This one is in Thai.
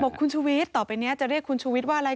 บอกคุณชูวิทธิ์ต่อไปนี้จะเรียกคุณชูวิทธิ์ว่าอะไร